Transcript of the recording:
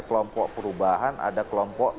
kelompok perubahan ada kelompok